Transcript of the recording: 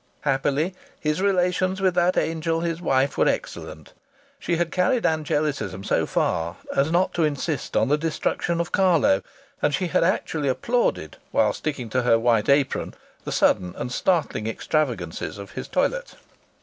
Happily his relations with that angel his wife were excellent. She had carried angelicism so far as not to insist on the destruction of Carlo; and she had actually applauded, while sticking to her white apron, the sudden and startling extravagances of his toilette.